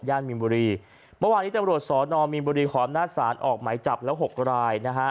มินบุรีเมื่อวานนี้ตำรวจสอนอมมีนบุรีขออำนาจศาลออกหมายจับแล้วหกรายนะฮะ